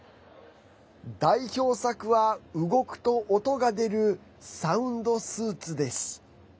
代表作は動くと音が出るサウンドスーツです。